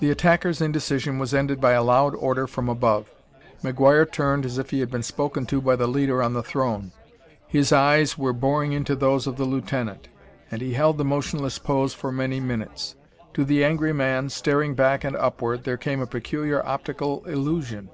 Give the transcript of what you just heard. The attacker's indecision was ended by a loud order from above. McGuire turned as if he had been spoken to by the leader on the throne. The thin figure was leaning far forward; his eye were boring into those of the lieutenant, and he held the motionless pose for many minutes. To the angry man, staring back and upward, there came a peculiar optical illusion.